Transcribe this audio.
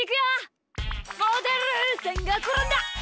モデルさんがころんだ！